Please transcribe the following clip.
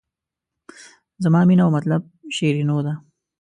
زما مینه او مطلب شیرینو ده.